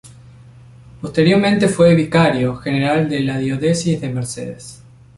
Posteriormente fue vicario general de la diócesis de Mercedes.